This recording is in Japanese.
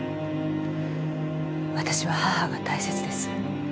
私は母が大切です。